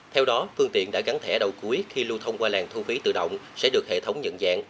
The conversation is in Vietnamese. theo đó phương tiện đã gắn thẻ đầu cuối khi lưu thông qua làn thu phí tự động sẽ được hệ thống nhận dạng